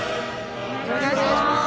お願いします。